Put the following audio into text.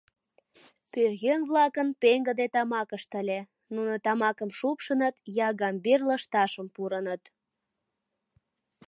Пӧръеҥ-влакын пеҥгыде тамакышт ыле; нуно тамакым шупшыныт, я гамбир лышташым пурыныт.